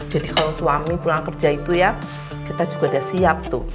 jadi kalau suami pulang kerja itu ya kita juga udah siap tuh